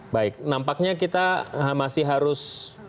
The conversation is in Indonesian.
baik nampaknya kita masih harus